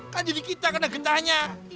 kan jadi kita kena getahnya